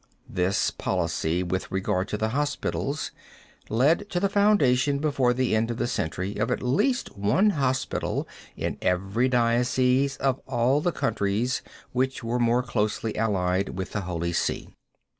This policy with regard to the hospitals led to the foundation before the end of the century of at least one hospital in every diocese of all the countries which were more closely allied with the Holy See.